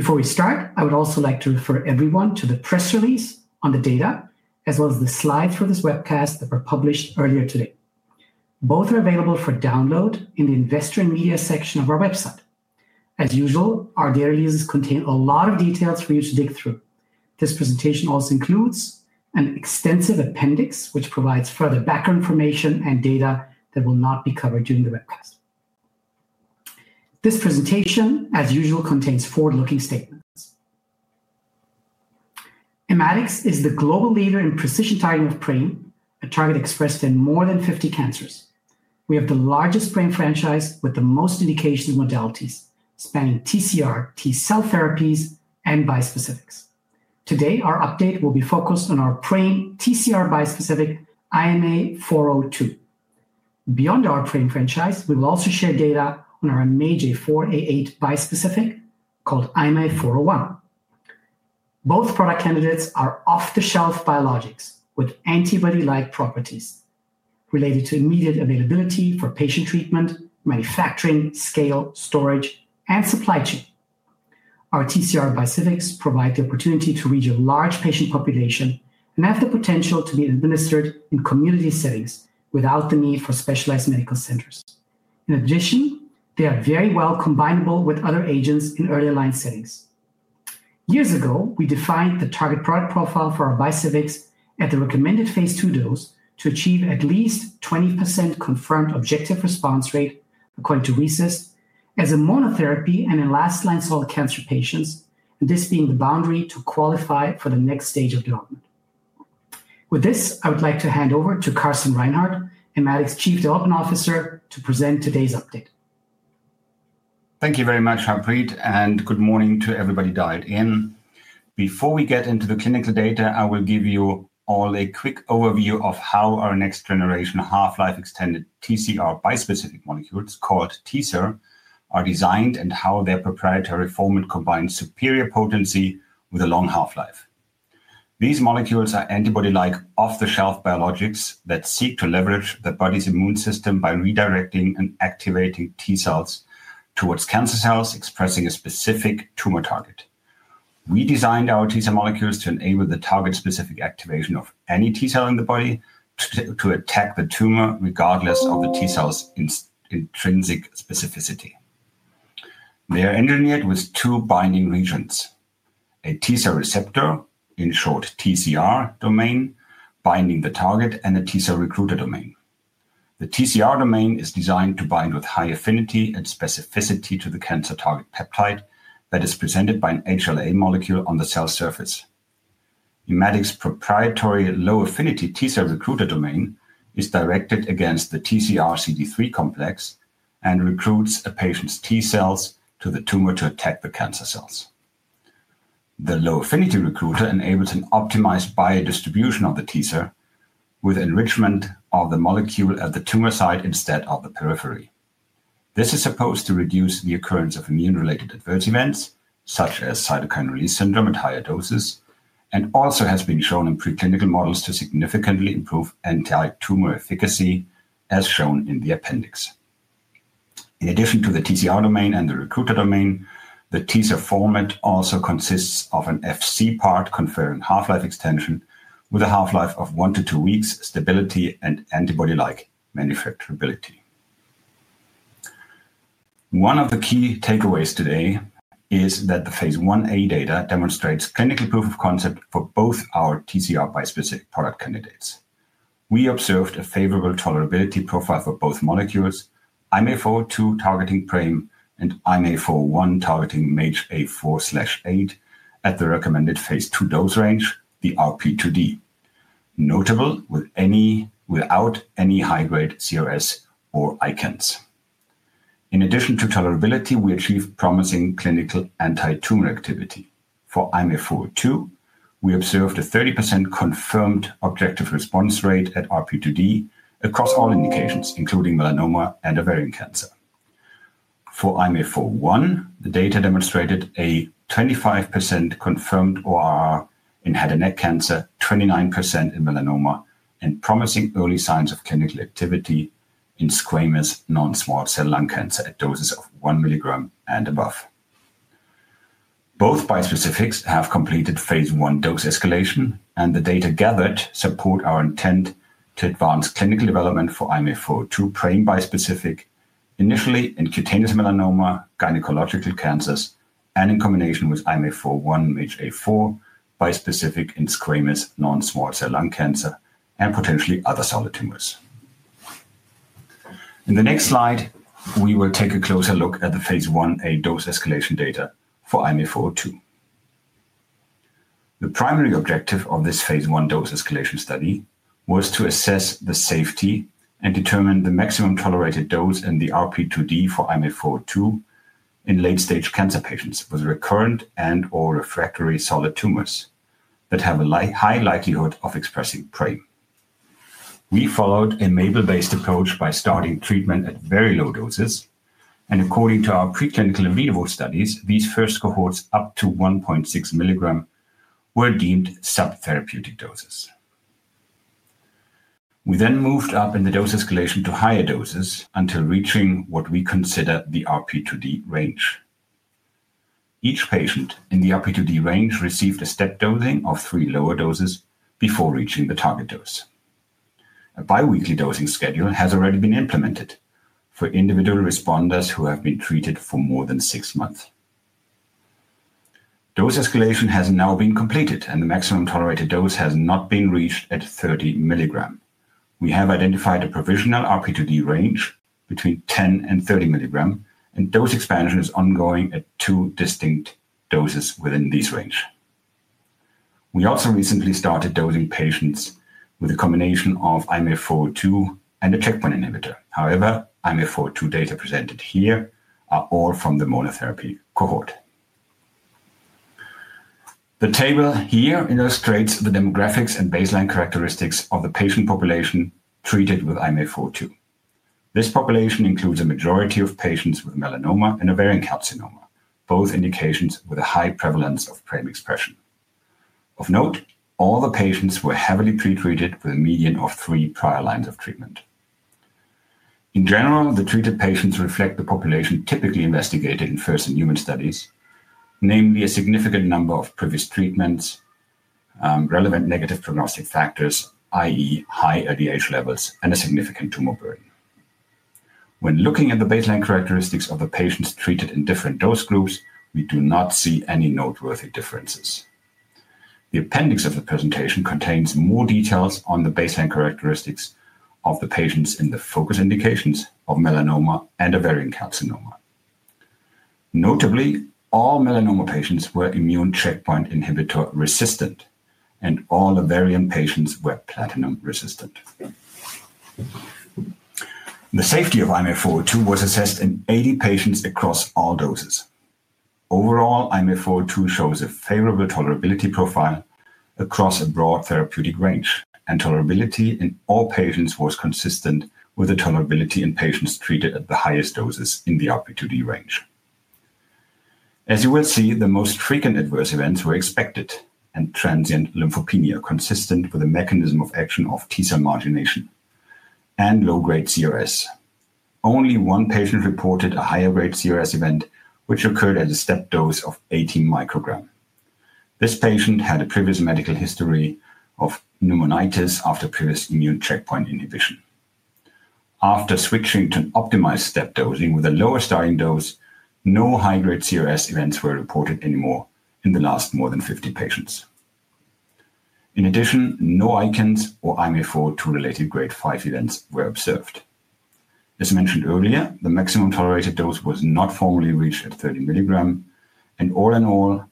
Before we start, I would also like to refer everyone to the press release on the data, as well as the slides for this webcast that were published earlier today. Both are available for download in the Investor in Media section of our website. As usual, our data releases contain a lot of details for you to dig through. This presentation also includes an extensive appendix, which provides further background information and data that will not be covered during the webcast. This presentation, as usual, contains forward-looking statements. Immatics is the global leader in precision targeting of PRAME, a target expressed in more than 50 cancers. We have the largest PRAME franchise with the most indications and modalities, spanning TCR, T cell therapies, and bispecifics. Today, our update will be focused on our PRAME TCR bispecific IMA402. Beyond our PRAME franchise, we will also share data on our MAGEA4/8 bispecific called IMA401. Both product candidates are off-the-shelf biologics with antibody-like properties related to immediate availability for patient treatment, manufacturing, scale, storage, and supply chain. Our TCR bispecifics provide the opportunity to reach a large patient population and have the potential to be administered in community settings without the need for specialized medical centers. In addition, they are very well combineable with other agents in early line settings. Years ago, we defined the target product profile for our bispecifics at the recommended phase II dose to achieve at least 20% confirmed objective response rate, according to RECIST, as a monotherapy and in last-line solid cancer patients, and this being the boundary to qualify for the next stage of development. With this, I would like to hand over to Carsten Reinhardt, Immatics Chief Development Officer, to present today's update. Thank you very much, Harpreet, and good morning to everybody dialed in. Before we get into the clinical data, I will give you all a quick overview of how our next-generation half-life extended TCR bispecific molecules called TCER are designed and how their proprietary format combines superior potency with a long half-life. These molecules are antibody-like off-the-shelf biologics that seek to leverage the body's immune system by redirecting and activating T cells towards cancer cells expressing a specific tumor target. We designed our TCER molecules to enable the target-specific activation of any T cell in the body to attack the tumor, regardless of the T cell's intrinsic specificity. They are engineered with two binding regions: a TCER receptor, in short, TCR domain, binding the target, and a TCER recruiter domain. The TCR domain is designed to bind with high affinity and specificity to the cancer target peptide that is presented by an HLA molecule on the cell surface. Immatics' proprietary low affinity TCER recruiter domain is directed against the TCR/CD3 complex and recruits a patient's T cells to the tumor to attack the cancer cells. The low affinity recruiter enables an optimized biodistribution of the TCER, with enrichment of the molecule at the tumor site instead of the periphery. This is supposed to reduce the occurrence of immune-related adverse events, such as cytokine release syndrome at higher doses, and also has been shown in preclinical models to significantly improve anti-tumor efficacy, as shown in the appendix. In addition to the TCR domain and the recruiter domain, the TCER format also consists of an Fc-part conferring half-life extension with a half-life of one to two weeks, stability, and antibody-like manufacturability. One of the key takeaways today is that the phase I-A data demonstrates clinical proof of concept for both our TCR bispecific product candidates. We observed a favorable tolerability profile for both molecules, IMA402 targeting PRAME and IMA401 targeting MAGEA4/8, at the recommended phase II dose range, the RP2D, notable without any high-grade CRS or ICANS. In addition to tolerability, we achieved promising clinical anti-tumor activity. For IMA402, we observed a 30% confirmed objective response rate at RP2D across all indications, including melanoma and ovarian cancer. For IMA401, the data demonstrated a 25% confirmed ORR in head and neck cancer, 29% in melanoma, and promising early signs of clinical activity in squamous non-small cell lung cancer at doses of 1 mg and above. Both bispecifics have completed phase I dose escalation, and the data gathered support our intent to advance clinical development for IMA402 PRAME bispecific initially in cutaneous melanoma, gynecological cancers, and in combination with IMA401 MAGEA4 bispecific in squamous non-small cell lung cancer and potentially other solid tumors. In the next slide, we will take a closer look at the phase I-A dose escalation data for IMA402. The primary objective of this phase I dose escalation study was to assess the safety and determine the maximum tolerated dose and the RP2D for IMA402 in late-stage cancer patients with recurrent and/or refractory solid tumors that have a high likelihood of expressing PRAME. We followed a MABEL-based approach by starting treatment at very low doses, and according to our preclinical and viewable studies, these first cohorts up to 1.6 mg were deemed subtherapeutic doses. We then moved up in the dose escalation to higher doses until reaching what we consider the RP2D range. Each patient in the RP2D range received a step dosing of three lower doses before reaching the target dose. A biweekly dosing schedule has already been implemented for individual responders who have been treated for more than six months. Dose escalation has now been completed, and the maximum tolerated dose has not been reached at 30 mg. We have identified a provisional RP2D range between 10 mg and 30 mg, and dose expansion is ongoing at two distinct doses within this range. We also recently started dosing patients with a combination of IMA402 and a checkpoint inhibitor. However, IMA402 data presented here are all from the monotherapy cohort. The table here illustrates the demographics and baseline characteristics of the patient population treated with IMA402. This population includes a majority of patients with melanoma and ovarian carcinoma, both indications with a high prevalence of PRAME expression. Of note, all the patients were heavily pretreated with a median of three prior lines of treatment. In general, the treated patients reflect the population typically investigated in first-in-human studies, namely a significant number of previous treatments, relevant negative prognostic factors, i.e., high LDH levels, and a significant tumor burden. When looking at the baseline characteristics of the patients treated in different dose groups, we do not see any noteworthy differences. The appendix of the presentation contains more details on the baseline characteristics of the patients in the focus indications of melanoma and ovarian carcinoma. Notably, all melanoma patients were immune checkpoint inhibitor resistant, and all ovarian patients were platinum resistant. The safety of IMA402 was assessed in 80 patients across all doses. Overall, IMA402 shows a favorable tolerability profile across a broad therapeutic range, and tolerability in all patients was consistent with the tolerability in patients treated at the highest doses in the RP2D range. As you will see, the most frequent adverse events were expected and transient lymphopenia consistent with a mechanism of action of T cell margination and low-grade CRS. Only one patient reported a higher-grade CRS event, which occurred at a step dose of 18 μg. This patient had a previous medical history of pneumonitis after previous immune checkpoint inhibition. After switching to an optimized step dosing with a lower starting dose, no high-grade CRS events were reported anymore in the last more than 50 patients. In addition, no ICANS or IMA402-related grade 5 events were observed. As mentioned earlier, the maximum tolerated dose was not formally reached at 30 mg, and all in all,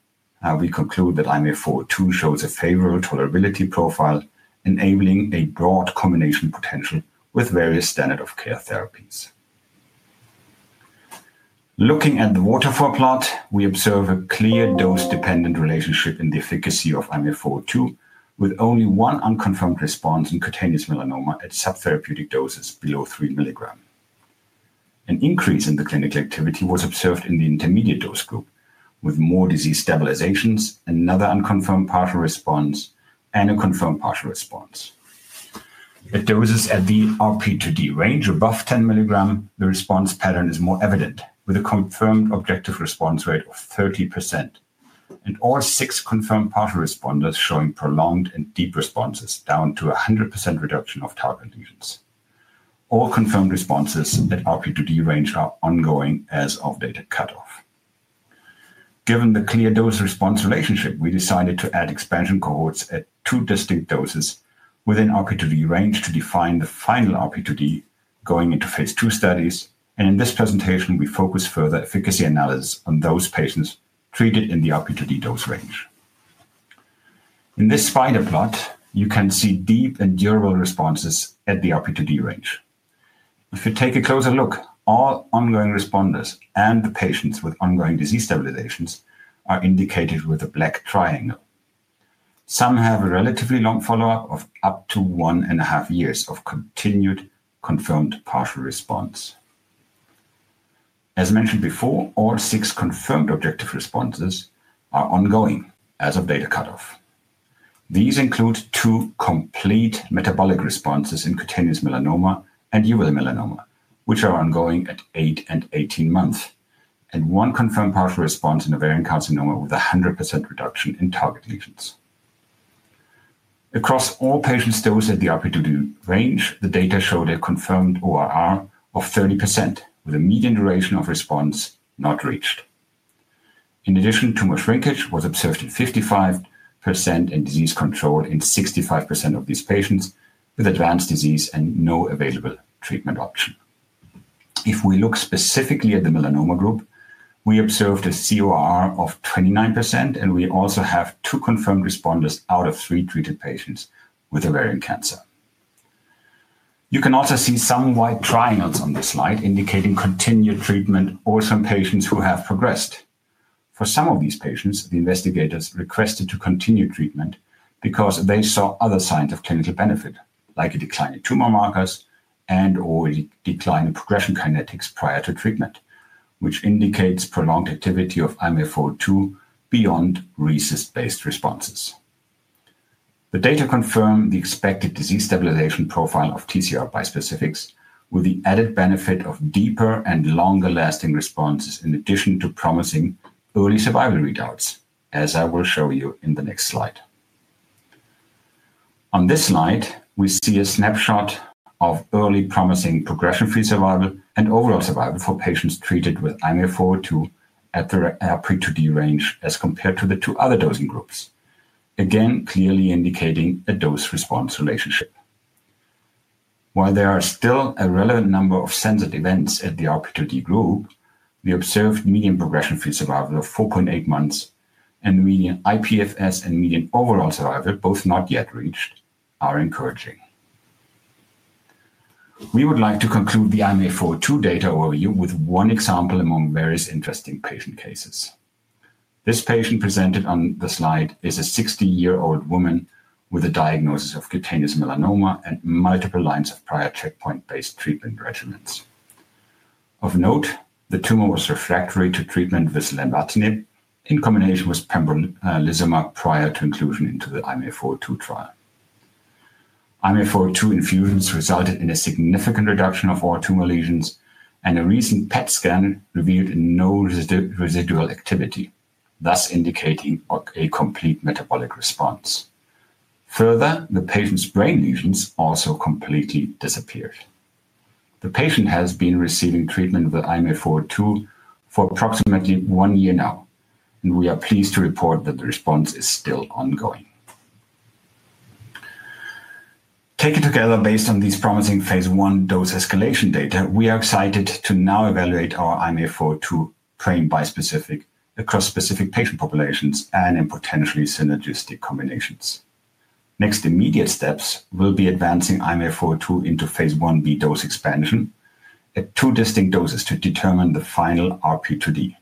we conclude that IMA402 shows a favorable tolerability profile, enabling a broad combination potential with various standard of care therapies. Looking at the waterfall plot, we observe a clear dose-dependent relationship in the efficacy of IMA402, with only one unconfirmed response in cutaneous melanoma at subtherapeutic doses below 3 mg. An increase in the clinical activity was observed in the intermediate dose group, with more disease stabilizations, another unconfirmed partial response, and a confirmed partial response. At doses at the RP2D range above 10 mg, the response pattern is more evident, with a confirmed objective response rate of 30%, and all six confirmed partial responders showing prolonged and deep responses down to a 100% reduction of target lesions. All confirmed responses at RP2D range are ongoing as of data cutoff. Given the clear dose-response relationship, we decided to add expansion cohorts at two distinct doses within RP2D range to define the final RP2D going into phase II studies, and in this presentation, we focus further efficacy analysis on those patients treated in the RP2D dose range. In this spider plot, you can see deep and durable responses at the RP2D range. If you take a closer look, all ongoing responders and the patients with ongoing disease stabilizations are indicated with a black triangle. Some have a relatively long follow-up of up to one and a half years of continued confirmed partial response. As mentioned before, all six confirmed objective responses are ongoing as of data cutoff. These include two complete metabolic responses in cutaneous melanoma and uveal melanoma, which are ongoing at 8 and 18 months, and one confirmed partial response in ovarian carcinoma with a 100% reduction in target lesions. Across all patients dosed at the RP2D range, the data showed a confirmed ORR of 30%, with a median duration of response not reached. In addition, tumor shrinkage was observed in 55% and disease control in 65% of these patients with advanced disease and no available treatment option. If we look specifically at the melanoma group, we observed a cORR of 29%, and we also have two confirmed responders out of three treated patients with ovarian cancer. You can also see some white triangles on the slide indicating continued treatment, also in patients who have progressed. For some of these patients, the investigators requested to continue treatment because they saw other signs of clinical benefit, like a decline in tumor markers and/or a decline in progression kinetics prior to treatment, which indicates prolonged activity of IMA402 beyond RECIST-based responses. The data confirm the expected disease stabilization profile of TCR bispecifics with the added benefit of deeper and longer-lasting responses, in addition to promising early survival readouts, as I will show you in the next slide. On this slide, we see a snapshot of early promising progression-free survival and overall survival for patients treated with IMA402 at the RP2D range as compared to the two other dosing groups, again clearly indicating a dose-response relationship. While there are still a relevant number of sensitive events at the RP2D group, the observed median progression-free survival of 4.8 months and median IPFS and median overall survival, both not yet reached, are encouraging. We would like to conclude the IMA402 data overview with one example among various interesting patient cases. This patient presented on the slide is a 60-year-old woman with a diagnosis of cutaneous melanoma and multiple lines of prior checkpoint-based treatment regimens. Of note, the tumor was refractory to treatment with lenvatinib in combination with pembrolizumab prior to inclusion into the IMA402 trial. IMA402 infusions resulted in a significant reduction of all tumor lesions, and a recent PET scan revealed no residual activity, thus indicating a complete metabolic response. Further, the patient's brain lesions also completely disappeared. The patient has been receiving treatment with IMA402 for approximately one year now, and we are pleased to report that the response is still ongoing. Taken together, based on these promising phase I dose escalation data, we are excited to now evaluate our IMA402 PRAME bispecific across specific patient populations and in potentially synergistic combinations. Next immediate steps will be advancing IMA402 into phase I-B dose expansion at two distinct doses to determine the final RP2D,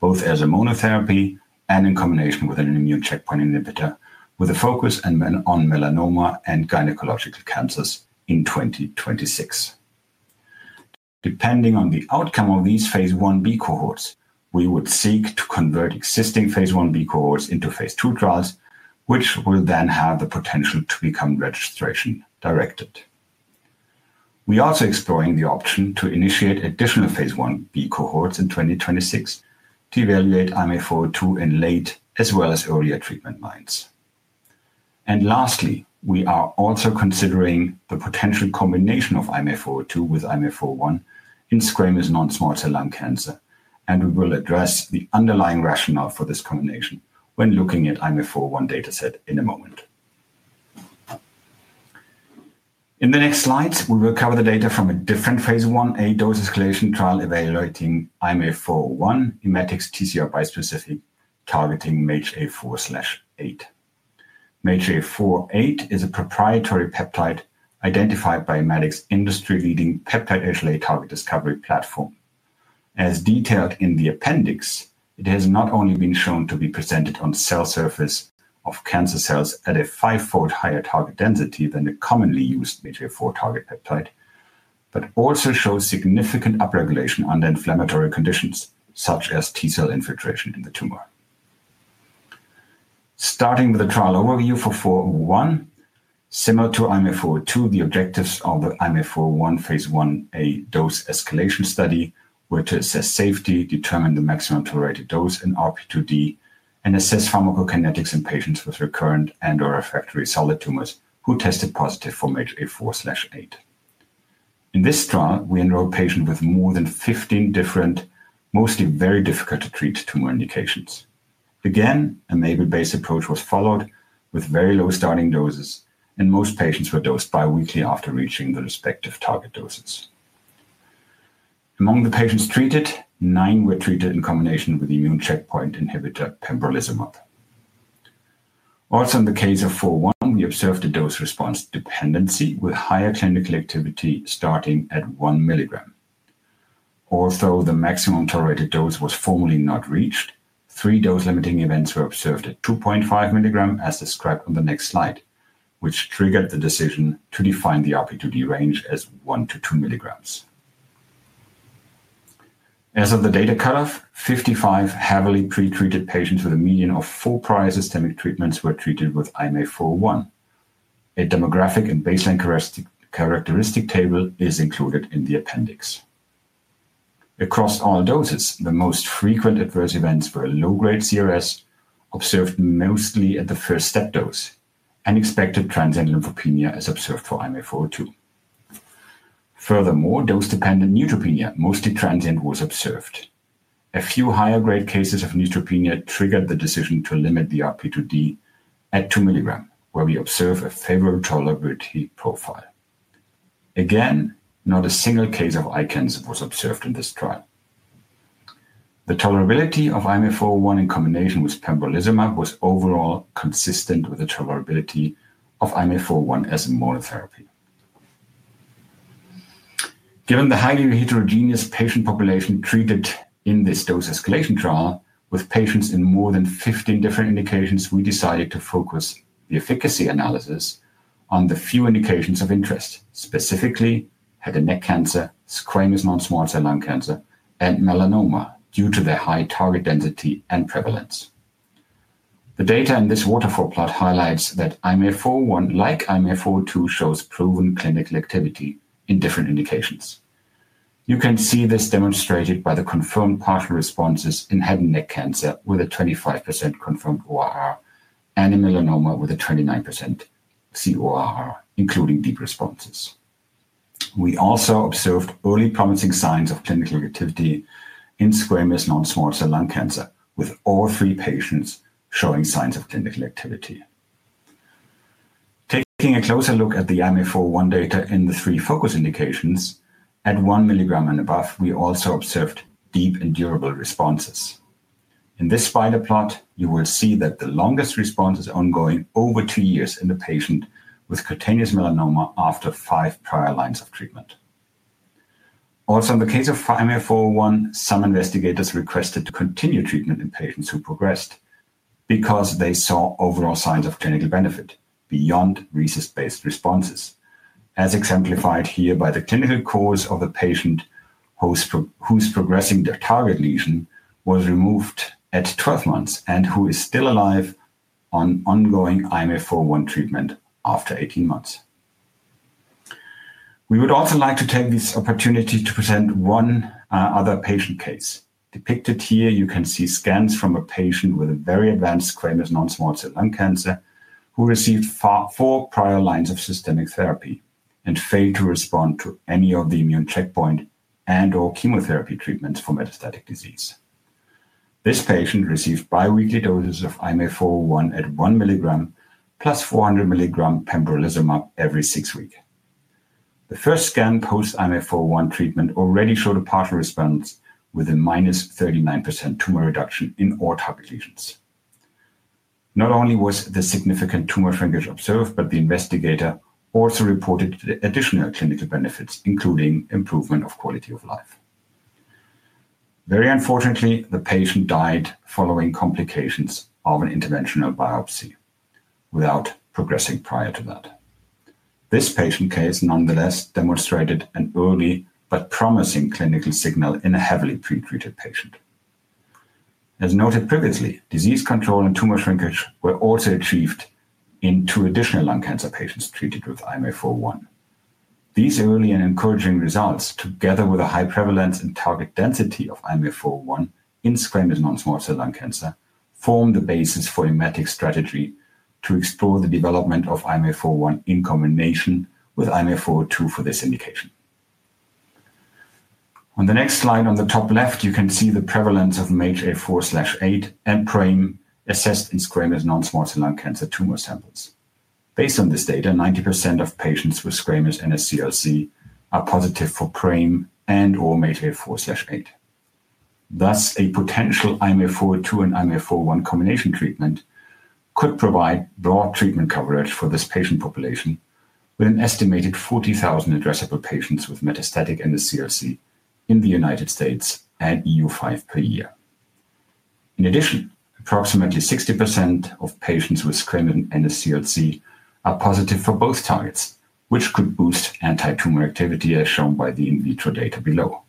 both as a monotherapy and in combination with an immune checkpoint inhibitor, with a focus on melanoma and gynecological cancers in 2026. Depending on the outcome of these phase I-B cohorts, we would seek to convert existing phase I-B cohorts into phase II trials, which will then have the potential to become registration-directed. We are also exploring the option to initiate additional phase I-B cohorts in 2026 to evaluate IMA402 in late as well as earlier treatment lines. Lastly, we are also considering the potential combination of IMA402 with IMA401 in squamous non-small cell lung cancer, and we will address the underlying rationale for this combination when looking at the IMA401 dataset in a moment. In the next slides, we will cover the data from a different phase I-A dose escalation trial evaluating IMA401, Immatics TCR bispecific targeting MAGEA4/8. MAGEA4/8 is a proprietary peptide identified by Immatics' industry-leading peptide HLA target discovery platform. As detailed in the appendix, it has not only been shown to be presented on the cell surface of cancer cells at a five-fold higher target density than the commonly used MAGEA4 target peptide, but also shows significant upregulation under inflammatory conditions such as T cell infiltration in the tumor. Starting with a trial overview for 401, similar to IMA402, the objectives of the IMA401 phase I-A dose escalation study were to assess safety, determine the maximum tolerated dose in RP2D, and assess pharmacokinetics in patients with recurrent and/or refractory solid tumors who tested positive for MAGAE4/8. In this trial, we enrolled patients with more than 15 different, mostly very difficult-to-treat tumor indications. Again, a MAGE-based approach was followed with very low starting doses, and most patients were dosed biweekly after reaching the respective target doses. Among the patients treated, nine were treated in combination with immune checkpoint inhibitor pembrolizumab. Also, in the case of 401, we observed a dose-response dependency with higher clinical activity starting at 1 mg. Although the maximum tolerated dose was formally not reached, three dose-limiting events were observed at 2.5 mg, as described on the next slide, which triggered the decision to define the RP2D range as 1 mg-2 mg. As of the data cutoff, 55 heavily pretreated patients with a median of four prior systemic treatments were treated with IMA401. A demographic and baseline characteristic table is included in the appendix. Across all doses, the most frequent adverse events were low-grade CRS observed mostly at the first step dose and expected transient lymphopenia as observed for IMA402. Furthermore, dose-dependent neutropenia, mostly transient, was observed. A few higher-grade cases of neutropenia triggered the decision to limit the RP2D at 2 mg, where we observe a favorable tolerability profile. Again, not a single case of ICANS was observed in this trial. The tolerability of IMA401 in combination with pembrolizumab was overall consistent with the tolerability of IMA401 as a monotherapy. Given the highly heterogeneous patient population treated in this dose escalation trial with patients in more than 15 different indications, we decided to focus the efficacy analysis on the few indications of interest, specifically head and neck cancer, squamous non-small cell lung cancer, and melanoma due to their high target density and prevalence. The data in this waterfall plot highlights that IMA401, like IMA402, shows proven clinical activity in different indications. You can see this demonstrated by the confirmed partial responses in head and neck cancer with a 25% confirmed ORR and in melanoma with a 29% cORR, including deep responses. We also observed early promising signs of clinical activity in squamous non-small cell lung cancer, with all three patients showing signs of clinical activity. Taking a closer look at the IMA401 data in the three focus indications at 1 mg and above, we also observed deep and durable responses. In this spider plot, you will see that the longest response is ongoing over two years in a patient with cutaneous melanoma after five prior lines of treatment. Also, in the case of IMA401, some investigators requested to continue treatment in patients who progressed because they saw overall signs of clinical benefit beyond RECIST-based responses, as exemplified here by the clinical course of the patient whose progressing target lesion was removed at 12 months and who is still alive on ongoing IMA401 treatment after 18 months. We would also like to take this opportunity to present one other patient case. Depicted here, you can see scans from a patient with a very advanced squamous non-small cell lung cancer who received four prior lines of systemic therapy and failed to respond to any of the immune checkpoint and/or chemotherapy treatments for metastatic disease. This patient received biweekly doses of IMA401 at 1 mg + 400 mg pembrolizumab every six weeks. The first scan post IMA401 treatment already showed a partial response with a -39% tumor reduction in all target lesions. Not only was the significant tumor shrinkage observed, but the investigator also reported additional clinical benefits, including improvement of quality of life. Very unfortunately, the patient died following complications of an interventional biopsy without progressing prior to that. This patient case nonetheless demonstrated an early but promising clinical signal in a heavily pretreated patient. As noted previously, disease control and tumor shrinkage were also achieved in two additional lung cancer patients treated with IMA401. These early and encouraging results, together with a high prevalence and target density of IMA401 in squamous non-small cell lung cancer, form the basis for Immatics' strategy to explore the development of IMA401 in combination with IMA402 for this indication. On the next slide on the top left, you can see the prevalence of MAGEA4/8 and PRAME assessed in squamous non-small cell lung cancer tumor samples. Based on this data, 90% of patients with squamous NSCLC are positive for PRAME and/or MAGEA4/8. Thus, a potential IMA402 and IMA401 combination treatment could provide broad treatment coverage for this patient population with an estimated 40,000 addressable patients with metastatic NSCLC in the United States and EU5 per year. In addition, approximately 60% of patients with squamous NSCLC are positive for both targets, which could boost anti-tumor activity as shown by the in vitro data below.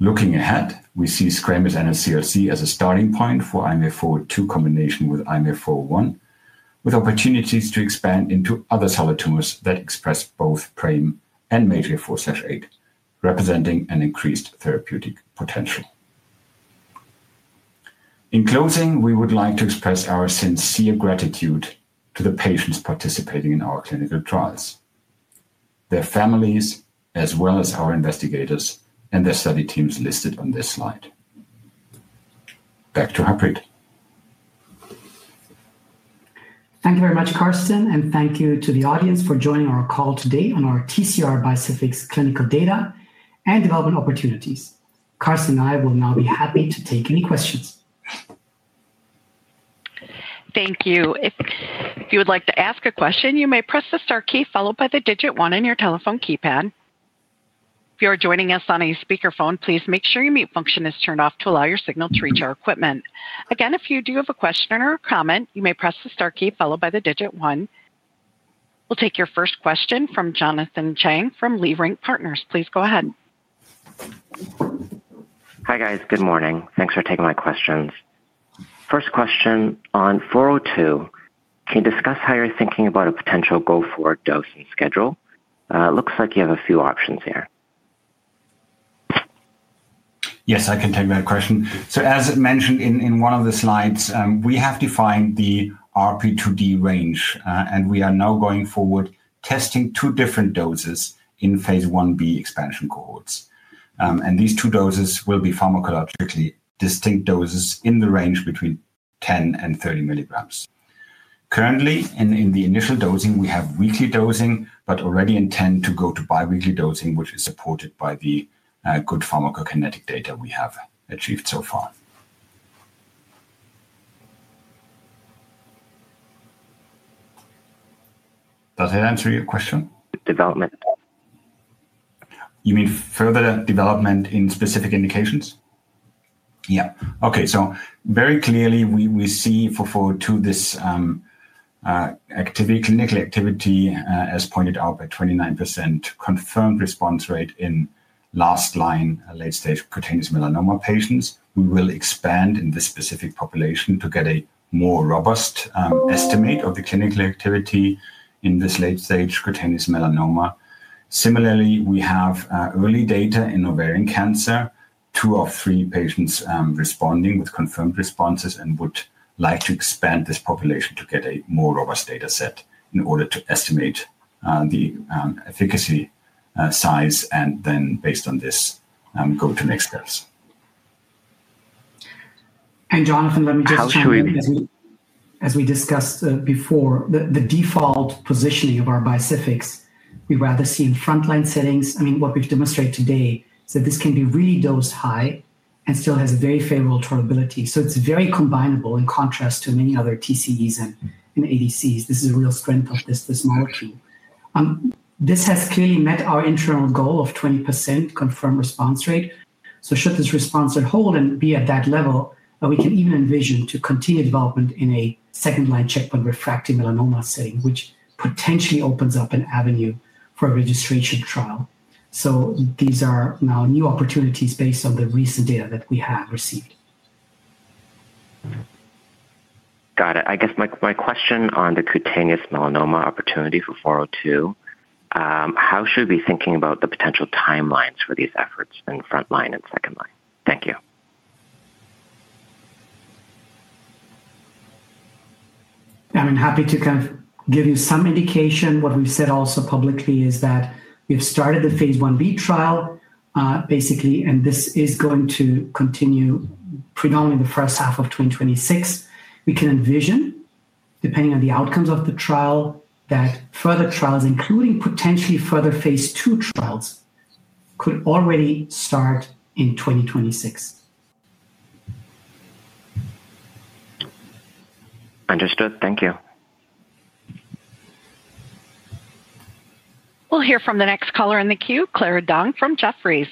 Looking ahead, we see squamous NSCLC as a starting point for IMA402 combination with IMA401, with opportunities to expand into other solid tumors that express both PRAME and MAGEA4/8, representing an increased therapeutic potential. In closing, we would like to express our sincere gratitude to the patients participating in our clinical trials, their families, as well as our investigators and the study teams listed on this slide. Back to Harpreet. Thank you very much, Carsten, and thank you to the audience for joining our call today on our TCR bispecific clinical data and development opportunities. Carsten and I will now be happy to take any questions. Thank you. If you would like to ask a question, you may press the star key followed by the digit one on your telephone keypad. If you are joining us on a speakerphone, please make sure your mute function is turned off to allow your signal to reach our equipment. Again, if you do have a question or a comment, you may press the star key followed by the digit one. We'll take your first question from Jonathan Chang from Leerink Partners. Please go ahead. Hi guys, good morning. Thanks for taking my questions. First question on 402. Can you discuss how you're thinking about a potential go-forward dose and schedule? Looks like you have a few options here. Yes, I can take that question. As mentioned in one of the slides, we have defined the RP2D range, and we are now going forward testing two different doses in phase I-B expansion cohorts. These two doses will be pharmacologically distinct doses in the range between 10 mg and 30 mg. Currently, in the initial dosing, we have weekly dosing, but already intend to go to biweekly dosing, which is supported by the good pharmacokinetic data we have achieved so far. Does that answer your question? Development. You mean further development in specific indications? Yeah. Okay. Very clearly, we see for 402 this clinical activity, as pointed out, by 29% confirmed response rate in last line late-stage cutaneous melanoma patients. We will expand in this specific population to get a more robust estimate of the clinical activity in this late-stage cutaneous melanoma. Similarly, we have early data in ovarian cancer, two of three patients responding with confirmed responses, and would like to expand this population to get a more robust dataset in order to estimate the efficacy size and then, based on this, go to next steps. Jonathan, let me just jump in. As we discussed before, the default positioning of our bispecifics, we'd rather see in frontline settings. I mean, what we've demonstrated today is that this can be redosed high and still has very favorable tolerability. It is very combinable in contrast to many other TCEs and ADCs. This is a real strength of this molecule. This has clearly met our internal goal of 20% confirmed response rate. Should this response hold and be at that level, we can even envision continued development in a second line checkpoint refractory melanoma setting, which potentially opens up an avenue for a registration trial. These are now new opportunities based on the recent data that we have received. Got it. I guess my question on the cutaneous melanoma opportunity for 402, how should we be thinking about the potential timelines for these efforts in frontline and second line? Thank you. I'm happy to kind of give you some indication. What we've said also publicly is that we've started the phase I-B trial, basically, and this is going to continue predominantly the first half of 2026. We can envision, depending on the outcomes of the trial, that further trials, including potentially further phase II trials, could already start in 2026. Understood. Thank you. We'll hear from the next caller on the queue, Clara Dong from Jefferies.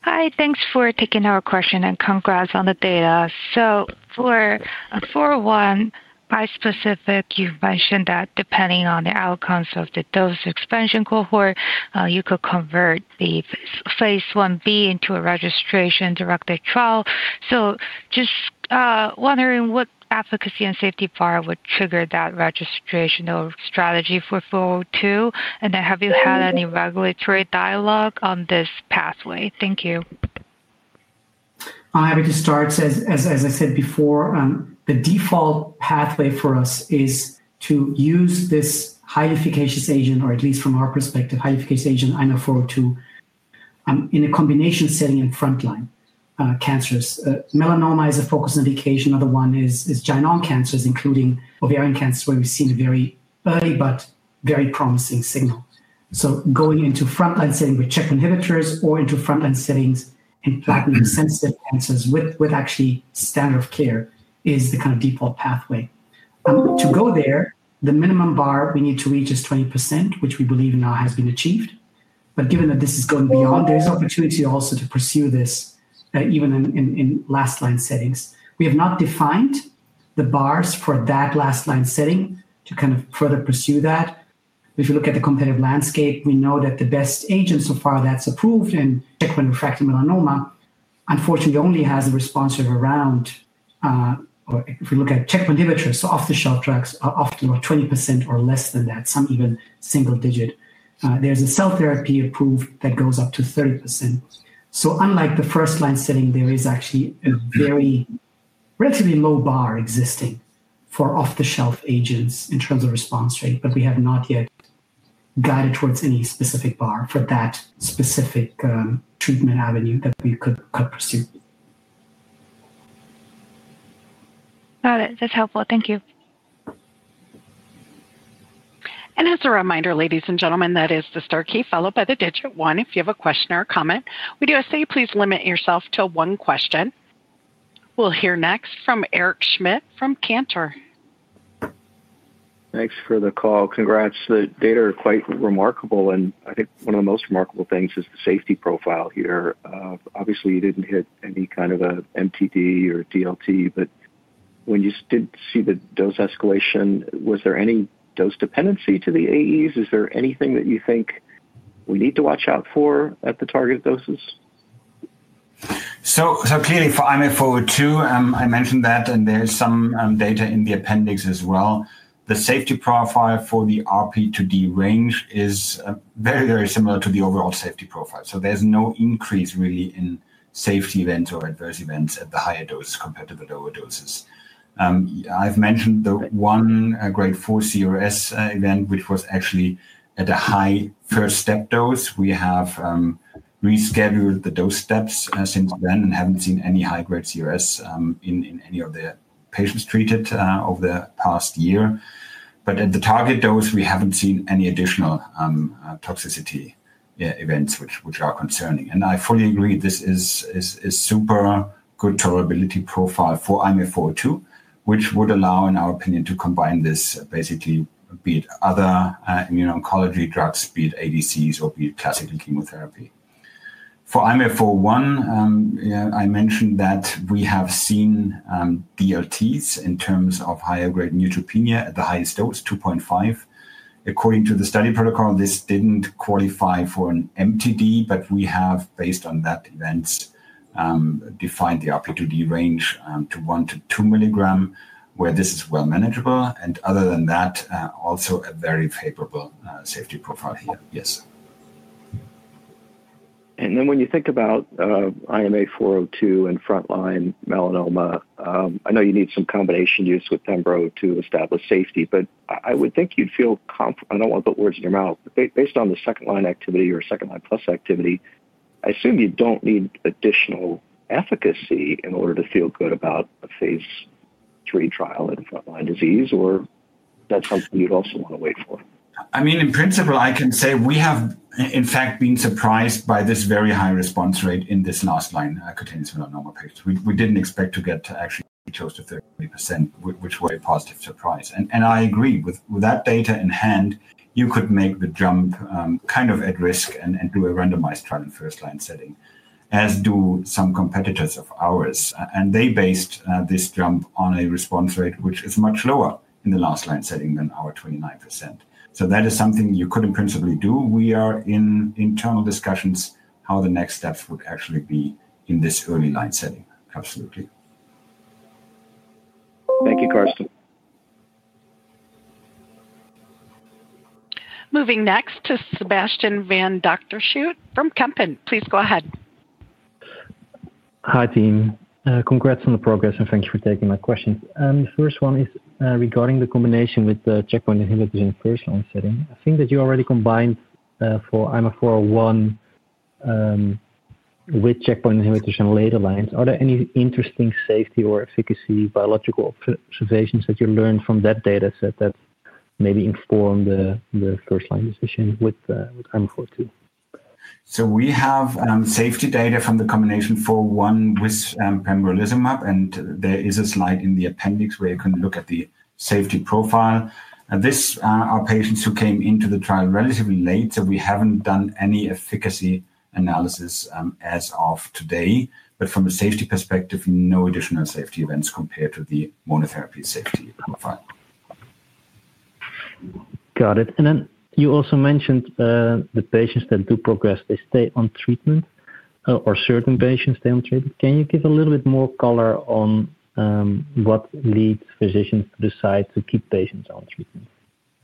Hi, thanks for taking our question and congrats on the data. For 401 bispecific, you've mentioned that depending on the outcomes of the dose expansion cohort, you could convert the phase I-B into a registration-directed trial. Just wondering what efficacy and safety bar would trigger that registration strategy for 402, and have you had any regulatory dialogue on this pathway? Thank you. I'm happy to start. As I said before, the default pathway for us is to use this high efficacious agent, or at least from our perspective, high efficacious agent in a combination setting in frontline cancers. Melanoma is a focus indication. Another one is gynon cancers, including ovarian cancers, where we've seen a very early but very promising signal. Going into frontline setting with checkpoint inhibitors or into frontline settings in plaque-resistant cancers with actually standard of care is the kind of default pathway. To go there, the minimum bar we need to reach is 20%, which we believe now has been achieved. Given that this is going beyond, there is opportunity also to pursue this even in last line settings. We have not defined the bars for that last line setting to kind of further pursue that. If you look at the competitive landscape, we know that the best agent so far that's approved in checkpoint refractory melanoma, unfortunately, only has a response rate around, if we look at checkpoint inhibitors, so off-the-shelf drugs are often 20% or less than that, some even single digit. There's a cell therapy approved that goes up to 30%. Unlike the first line setting, there is actually a very relatively low bar existing for off-the-shelf agents in terms of response rate, but we have not yet guided towards any specific bar for that specific treatment avenue that we could pursue. Got it. That's helpful. Thank you. As a reminder, ladies and gentlemen, that is the star key followed by the digit one. If you have a question or a comment, we do say please limit yourself to one question. We'll hear next from Eric Schmidt from Cantor. Thanks for the call. Congrats. The data are quite remarkable, and I think one of the most remarkable things is the safety profile here. Obviously, you didn't hit any kind of MTD or DLT, but when you did see the dose escalation, was there any dose dependency to the AEs? Is there anything that you think we need to watch out for at the target doses? So, clearly, for IMA402, I mentioned that, and there's some data in the appendix as well. The safety profile for the RP2D range is very, very similar to the overall safety profile. So, there's no increase really in safety events or adverse events at the higher doses compared to the lower doses. I've mentioned the one grade 4 CRS event, which was actually at a high first step dose. We have rescheduled the dose steps since then and haven't seen any high-grade CRS in any of the patients treated over the past year. At the target dose, we haven't seen any additional toxicity events which are concerning. I fully agree. This is a super good tolerability profile for IMA402, which would allow, in our opinion, to combine this basically be it other immuno-oncology drugs, be it ADCs, or be it classical chemotherapy. For IMA401, I mentioned that we have seen DLTs in terms of higher-grade neutropenia at the highest dose, 2.5 mg. According to the study protocol, this did not qualify for an MTD, but we have, based on that event, defined the RP2D range to 1 mg to 2 mg, where this is well manageable. Other than that, also a very favorable safety profile here. Yes. When you think about IMA402 and frontline melanoma, I know you need some combination use with pembro to establish safety, but I would think you would feel comfortable. I do not want to put words in your mouth. Based on the second line activity or second line plus activity, I assume you don't need additional efficacy in order to feel good about a phase III trial in frontline disease, or that's something you'd also want to wait for? I mean, in principle, I can say we have, in fact, been surprised by this very high response rate in this last line cutaneous melanoma patients. We didn't expect to get actually close to 30%, which was a positive surprise. I agree. With that data in hand, you could make the jump kind of at risk and do a randomized trial in first line setting, as do some competitors of ours. They based this jump on a response rate which is much lower in the last line setting than our 29%. That is something you could in principle do. We are in internal discussions how the next steps would actually be in this early line setting. Absolutely. Thank you, Carsten. Moving next to Sebastiaan van der Schoot from Kempen. Please go ahead. Hi, team. Congrats on the progress, and thank you for taking my questions. The first one is regarding the combination with the checkpoint inhibitors in first line setting. I think that you already combined for IMA401 with checkpoint inhibitors in later lines. Are there any interesting safety or efficacy biological observations that you learned from that dataset that maybe informed the first line decision with IMA402? We have safety data from the combination 401 with pembrolizumab, and there is a slide in the appendix where you can look at the safety profile. These are patients who came into the trial relatively late, so we have not done any efficacy analysis as of today. From a safety perspective, no additional safety events compared to the monotherapy safety profile. Got it. You also mentioned the patients that do progress, they stay on treatment, or certain patients stay on treatment. Can you give a little bit more color on what leads physicians to decide to keep patients on treatment?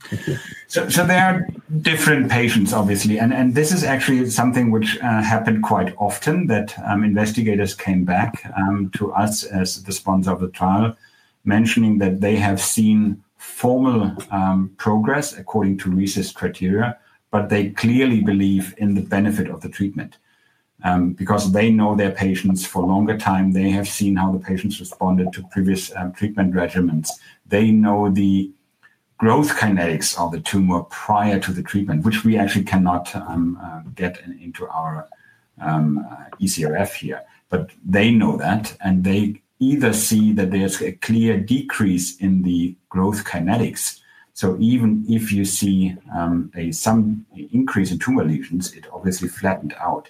Thank you. There are different patients, obviously. This is actually something which happened quite often that investigators came back to us as the sponsor of the trial, mentioning that they have seen formal progress according to RECIST criteria, but they clearly believe in the benefit of the treatment because they know their patients for a longer time. They have seen how the patients responded to previous treatment regimens. They know the growth kinetics of the tumor prior to the treatment, which we actually cannot get into our ECRF here. They know that, and they either see that there's a clear decrease in the growth kinetics. Even if you see some increase in tumor lesions, it obviously flattened out.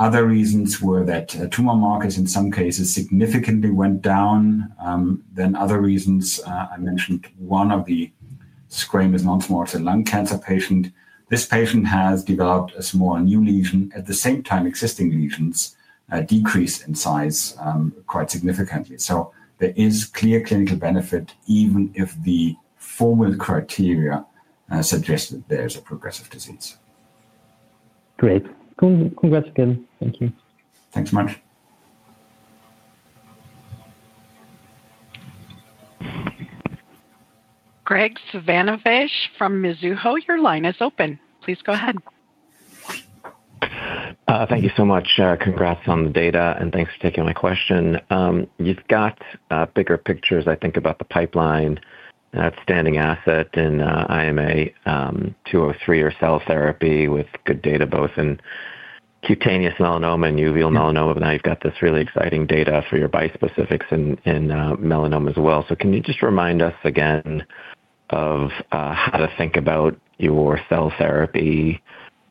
Other reasons were that tumor markers in some cases significantly went down. I mentioned one of the squamous non-small cell lung cancer patients. This patient has developed a small new lesion. At the same time, existing lesions decreased in size quite significantly. There is clear clinical benefit even if the formal criteria suggest that there's a progressive disease. Great. Congrats again. Thank you. Thanks so much. Graig Suvannavejh from Mizuho, your line is open. Please go ahead. Thank you so much. Congrats on the data, and thanks for taking my question. You've got bigger pictures, I think, about the pipeline. An outstanding asset in IMA203 or cell therapy with good data both in cutaneous melanoma and uveal melanoma. Now you have this really exciting data for your bispecifics in melanoma as well. Can you just remind us again of how to think about your cell therapy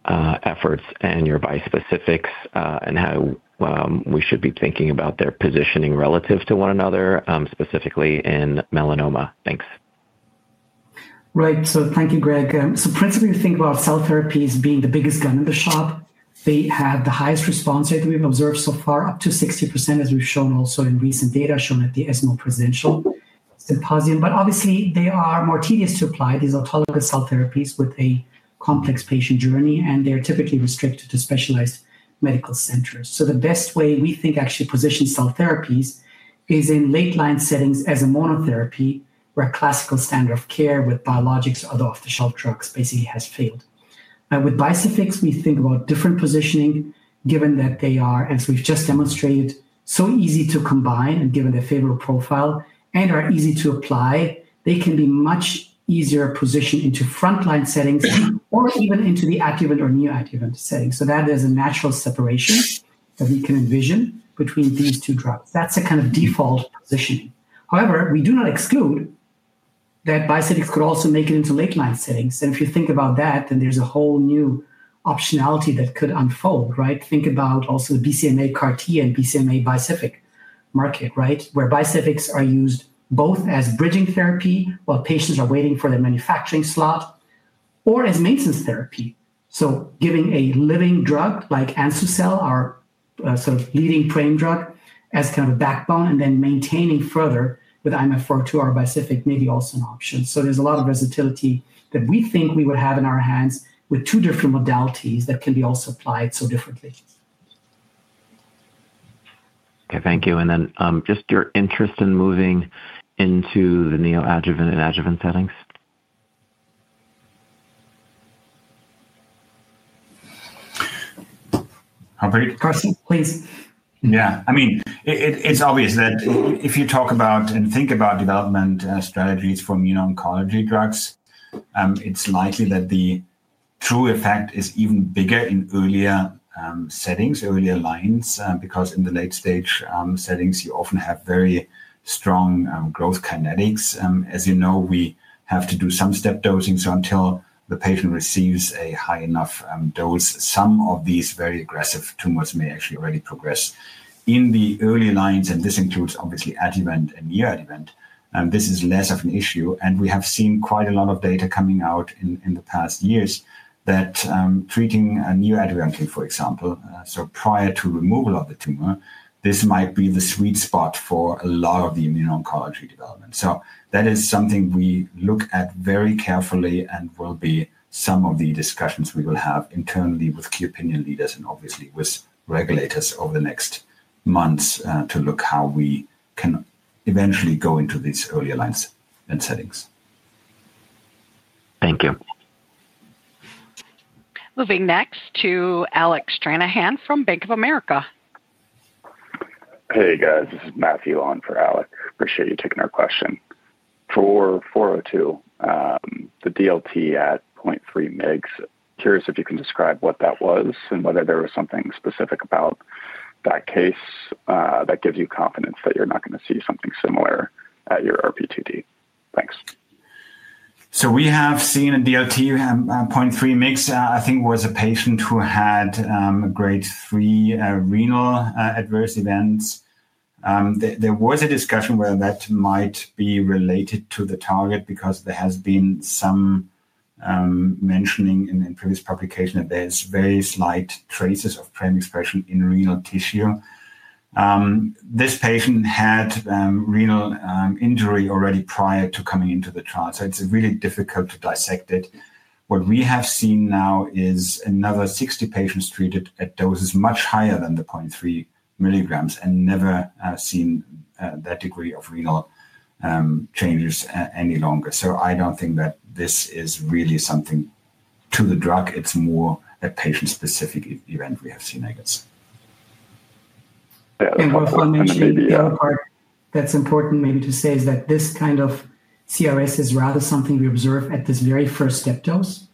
efforts and your bispecifics and how we should be thinking about their positioning relative to one another, specifically in melanoma? Thanks. Right. Thank you, Graig. Principally, we think about cell therapies being the biggest gun in the shop. They have the highest response rate that we have observed so far, up to 60%, as we have shown also in recent data shown at the ESMO Presidential Symposium. Obviously, they are more tedious to apply, these autologous cell therapies with a complex patient journey, and they are typically restricted to specialized medical centers. The best way we think actually to position cell therapies is in late line settings as a monotherapy where classical standard of care with biologics or other off-the-shelf drugs basically has failed. With bispecifics, we think about different positioning, given that they are, as we've just demonstrated, so easy to combine and given their favorable profile and are easy to apply, they can be much easier positioned into frontline settings or even into the adjuvant or neoadjuvant settings. That is a natural separation that we can envision between these two drugs. That's a kind of default positioning. However, we do not exclude that bispecifics could also make it into late line settings. If you think about that, then there's a whole new optionality that could unfold, right? Think about also the BCMA CAR-T and BCMA bispecific market, right, where bispecifics are used both as bridging therapy while patients are waiting for their manufacturing slot or as maintenance therapy. Giving a living drug like anzu-cel, our sort of leading PRAME drug, as kind of a backbone and then maintaining further with IMA402 or bispecific may be also an option. There is a lot of versatility that we think we would have in our hands with two different modalities that can be also applied so differently. Okay. Thank you. And then just your interest in moving into the (neo)adjuvant and adjuvant settings? I'll break it. Carsten, please. Yeah. I mean, it's obvious that if you talk about and think about development strategies for immuno-oncology drugs, it's likely that the true effect is even bigger in earlier settings, earlier lines, because in the late stage settings, you often have very strong growth kinetics. As you know, we have to do some step dosing. Until the patient receives a high enough dose, some of these very aggressive tumors may actually already progress in the early lines. This includes, obviously, adjuvant and neoadjuvant. This is less of an issue. We have seen quite a lot of data coming out in the past years that treating neoadjuvantly, for example, so prior to removal of the tumor, this might be the sweet spot for a lot of the immuno-oncology development. That is something we look at very carefully and will be some of the discussions we will have internally with key opinion leaders and obviously with regulators over the next months to look how we can eventually go into these earlier lines and settings. Thank you. Moving next to Alec Stranahan from Bank of America. Hey, guys. This is Matthew on for Alec. Appreciate you taking our question. For 402, the DLT at 0.3 mg, curious if you can describe what that was and whether there was something specific about that case that gives you confidence that you're not going to see something similar at your RP2D. Thanks. We have seen a DLT at 0.3 mg. I think it was a patient who had grade 3 renal adverse events. There was a discussion whether that might be related to the target because there has been some mentioning in previous publication that there's very slight traces of PRAME expression in renal tissue. This patient had renal injury already prior to coming into the trial. It is really difficult to dissect it. What we have seen now is another 60 patients treated at doses much higher than the 0.3 milligrams and never seen that degree of renal changes any longer. I do not think that this is really something to the drug. It is more a patient-specific event we have seen, I guess. One thing that is important maybe to say is that this kind of CRS is rather something we observe at this very first step dose.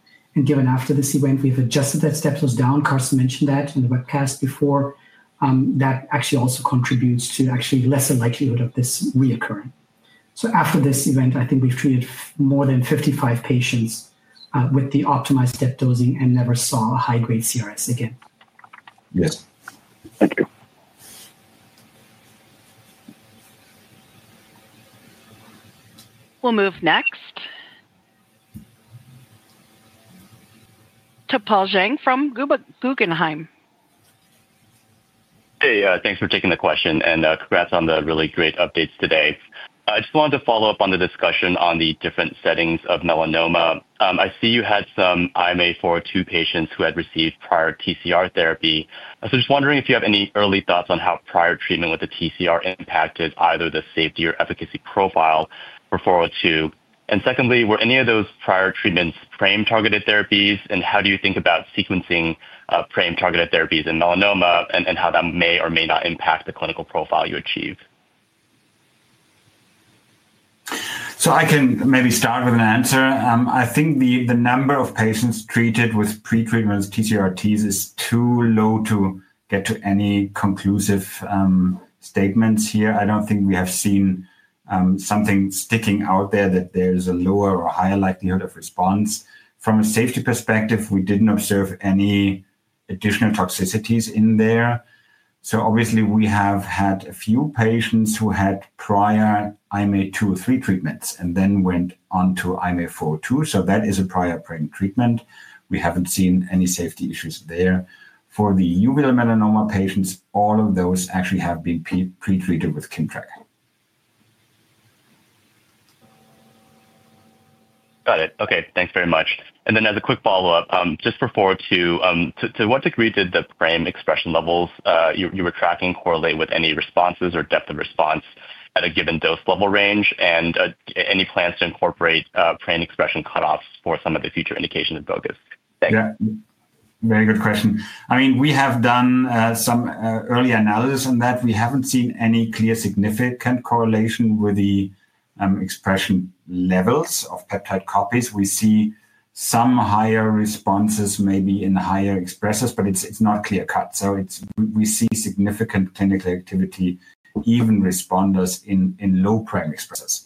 Given after this event, we have adjusted that step dose down. Carsten mentioned that in the webcast before. That actually also contributes to actually lesser likelihood of this reoccurring. After this event, I think we've treated more than 55 patients with the optimized step dosing and never saw a high-grade CRS again. Yes. Thank you. We'll move next to Paul Jeng from Guggenheim. Hey, thanks for taking the question. And congrats on the really great updates today. I just wanted to follow up on the discussion on the different settings of melanoma. I see you had some IMA402 patients who had received prior TCR therapy. Just wondering if you have any early thoughts on how prior treatment with the TCR impacted either the safety or efficacy profile for 402. Secondly, were any of those prior treatments PRAME targeted therapies? How do you think about sequencing PRAME targeted therapies in melanoma and how that may or may not impact the clinical profile you achieve? I can maybe start with an answer. I think the number of patients treated with pretreatment TCRTs is too low to get to any conclusive statements here. I don't think we have seen something sticking out there that there's a lower or higher likelihood of response. From a safety perspective, we didn't observe any additional toxicities in there. Obviously, we have had a few patients who had prior IMA203 treatments and then went on to IMA402. That is a prior PRAME treatment. We haven't seen any safety issues there. For the uveal melanoma patients, all of those actually have been pretreated with Kimmtrak. Got it. Okay. Thanks very much. As a quick follow-up, just for 402, to what degree did the PRAME expression levels you were tracking correlate with any responses or depth of response at a given dose level range? Any plans to incorporate PRAME expression cutoffs for some of the future indications and focus? Thanks. Very good question. I mean, we have done some early analysis on that. We have not seen any clear significant correlation with the expression levels of peptide copies. We see some higher responses maybe in higher expressors, but it is not clear-cut. We see significant clinical activity, even responders in low PRAME expressors.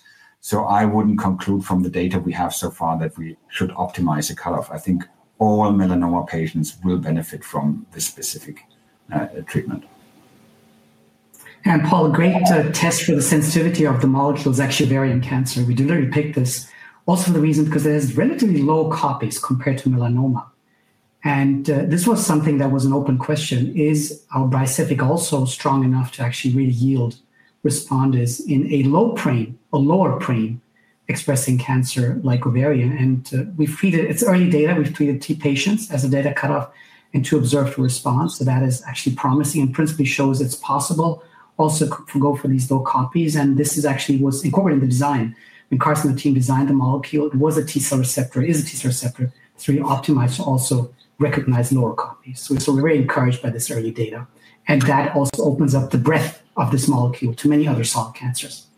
I would not conclude from the data we have so far that we should optimize the cutoff. I think all melanoma patients will benefit from this specific treatment. Paul, a great test for the sensitivity of the molecules actually varied in cancer. We did not really pick this. Also, the reason is because there are relatively low copies compared to melanoma. This was something that was an open question. Is our bispecific also strong enough to actually really yield responders in a low PRAME, a lower PRAME expressing cancer like ovarian? We've treated, it's early data. We've treated two patients as a data cutoff and to observe the response. That is actually promising and principally shows it's possible also to go for these low copies. This is actually what's incorporated in the design. When Carsten and the team designed the molecule, it was a T cell receptor, is a T cell receptor, to really optimize to also recognize lower copies. We're very encouraged by this early data. That also opens up the breadth of this molecule to many other solid cancers.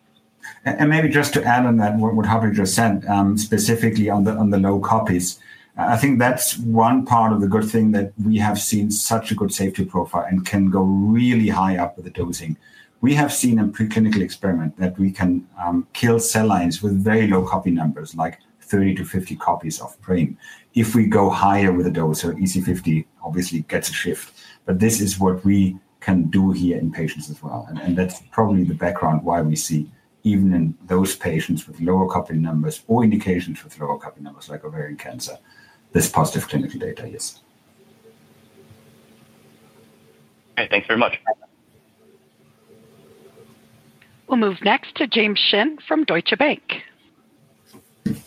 Maybe just to add on that, what Harpreet just said, specifically on the low copies, I think that's one part of the good thing that we have seen such a good safety profile and can go really high up with the dosing. We have seen in preclinical experiment that we can kill cell lines with very low copy numbers, like 30-50 copies of PRAME. If we go higher with a dose, so EC50 obviously gets a shift. This is what we can do here in patients as well. That's probably the background why we see even in those patients with lower copy numbers or indications with lower copy numbers like ovarian cancer, this positive clinical data, yes. Okay. Thanks very much. We'll move next to James Shin from Deutsche Bank. Good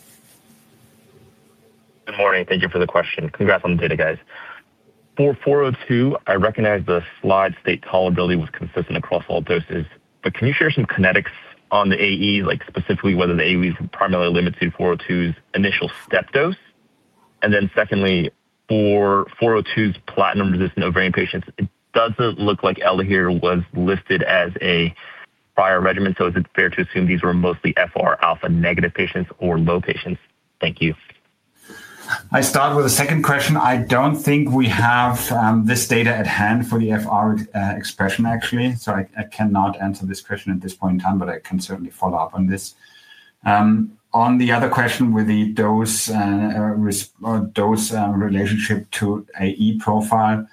morning. Thank you for the question. Congrats on the data, guys. For 402, I recognize the slide state tolerability was consistent across all doses. Can you share some kinetics on the AE, like specifically whether the AE was primarily limited to 402's initial step dose? Secondly, for 402's platinum-resistant ovarian patients, it does not look like ELAHERE was listed as a prior regimen. Is it fair to assume these were mostly FR alpha negative patients or low patients? Thank you. I start with the second question. I do not think we have this data at hand for the FR expression, actually. I cannot answer this question at this point in time, but I can certainly follow up on this. On the other question with the dose relationship to AE profile,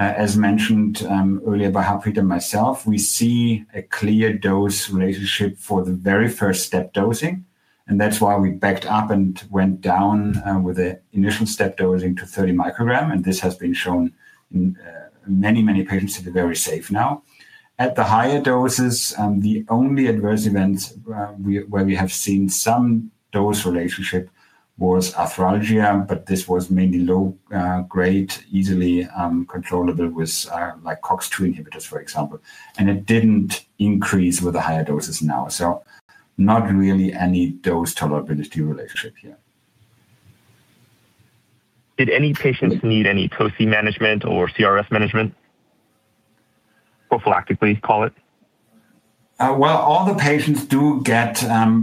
as mentioned earlier by Harpreet and myself, we see a clear dose relationship for the very first step dosing. That is why we backed up and went down with the initial step dosing to 30 μg. This has been shown in many, many patients to be very safe now. At the higher doses, the only adverse events where we have seen some dose relationship was arthralgia, but this was mainly low grade, easily controllable with COX-2 inhibitors, for example. It did not increase with the higher doses now. Not really any dose tolerability relationship here. Did any patients need any TOCI management or CRS management prophylactically, call it? All the patients do get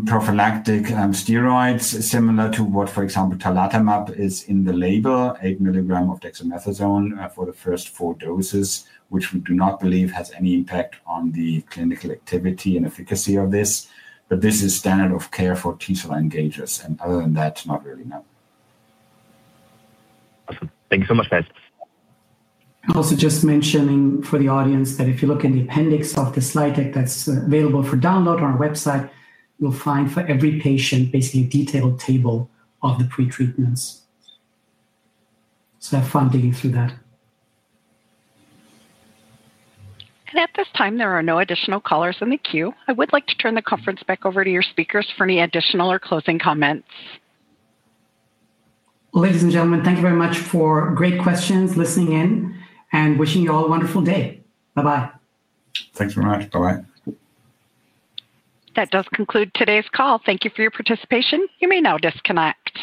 prophylactic steroids similar to what, for example, talquetamab is in the label, 8 mg of dexamethasone for the first four doses, which we do not believe has any impact on the clinical activity and efficacy of this. This is standard of care for T cell engagers. Other than that, not really, no. Awesome. Thank you so much, guys. I'm also just mentioning for the audience that if you look in the appendix of the slide deck that's available for download on our website, you'll find for every patient basically a detailed table of the pretreatments. Have fun digging through that. At this time, there are no additional callers in the queue. I would like to turn the conference back over to your speakers for any additional or closing comments. Ladies and gentlemen, thank you very much for great questions, listening in, and wishing you all a wonderful day. Bye-bye. Thanks very much. Bye-bye. That does conclude today's call. Thank you for your participation. You may now disconnect.